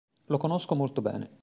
Lo conosco molto bene.